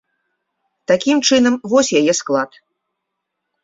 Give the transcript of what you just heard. Такім чынам, вось яе склад.